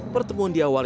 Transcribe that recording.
pertemuan di awal